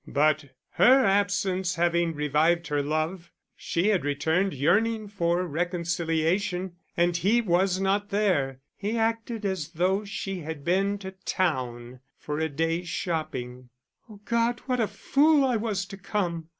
But her absence having revived her love, she had returned, yearning for reconciliation. And he was not there; he acted as though she had been to town for a day's shopping. "Oh, God, what a fool I was to come!"